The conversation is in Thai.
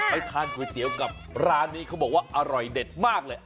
ทานก๋วยเตี๋ยวกับร้านนี้เขาบอกว่าอร่อยเด็ดมากเลย